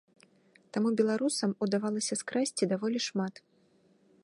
Таму беларусам удавалася скрасці даволі шмат.